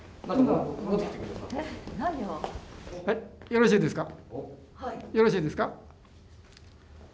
よろしいですか？